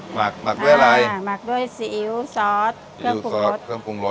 หมักหมักด้วยอะไรหมักด้วยซีอิ๊วซอสเครื่องปรุงรส